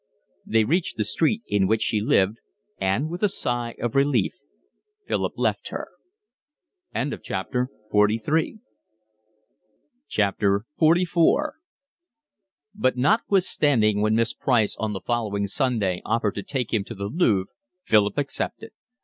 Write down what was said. They reached the street in which she lived, and with a sigh of relief Philip left her. XLIV But notwithstanding when Miss Price on the following Sunday offered to take him to the Louvre Philip accepted.